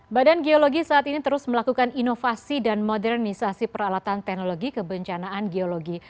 badan geologi saat ini terus melakukan inovasi dan modernisasi peralatan teknologi kebencanaan geologi